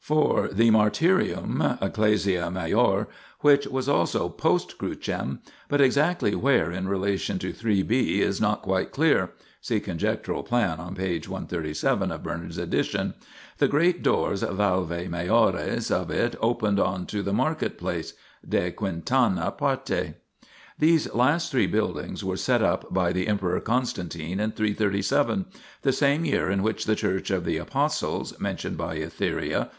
4. The Martyrium (ecclesia maior], which was also post Crucem^ but exactly where in relation to 3 (b) is not quite clear (see conjectural plan on p. 137 of Bernard's edition) ; the great doors (valvae maiores) of it opened on to the market place (de quintana parte)> These last three buildings were set up by the Emperor Constantine in 337, the same year in which the Church of the Apostles (mentioned by Etheria, p.